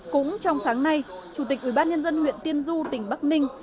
cũng trong sáng nay chủ tịch ubnd huyện tiên du tỉnh bắc ninh